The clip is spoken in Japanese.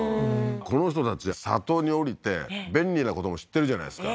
この人たち里に下りて便利なことも知ってるじゃないですか